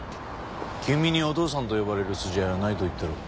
君にお父さんと呼ばれる筋合いはないと言ったろう。